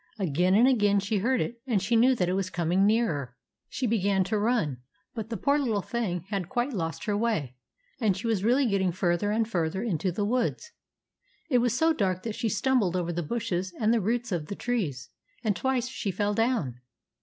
Again and again she heard it, and she knew that it was coming nearer. She THE GREEN LIZARD 9 began to run, but the poor little thing had quite lost her way, and she was really get ting further and further into the woods. It was so dark that she stumbled over the bushes and the roots of the trees, and twice she fell down.